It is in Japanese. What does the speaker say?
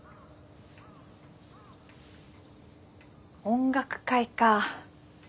音楽会かあ。